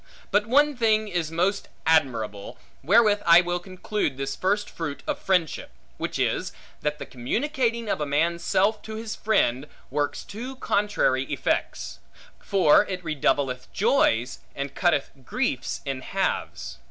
But one thing is most admirable (wherewith I will conclude this first fruit of friendship), which is, that this communicating of a man's self to his friend, works two contrary effects; for it redoubleth joys, and cutteth griefs in halves.